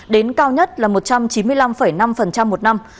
đến cao nhất là một trăm chín mươi năm năm một năm